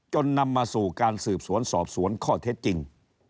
นำมาสู่การสืบสวนสอบสวนข้อเท็จจริง